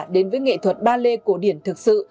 đến với nghệ thuật ballet cổ điển thực sự